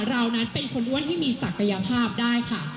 เรานั้นเป็นคนอ้วนที่มีศักยภาพได้ค่ะ